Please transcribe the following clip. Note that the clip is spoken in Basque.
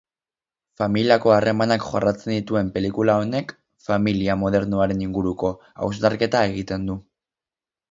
Familiako harremanak jorratzen dituen pelikula honek familia modernoaren inguruko hausnarketa egiten du.